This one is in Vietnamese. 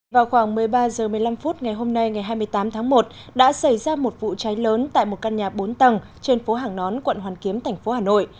vào khoảng một mươi ba h một mươi năm phút ngày hôm nay ngày hai mươi tám tháng một đã xảy ra một vụ cháy lớn tại một căn nhà bốn tầng trên phố hàng nón quận hoàn kiếm thành phố hà nội